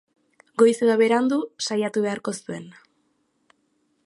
Goiz edo berandu, saiatu beharko zuen.